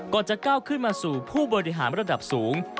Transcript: จะก้าวขึ้นมาสู่ผู้บริหารระดับสูง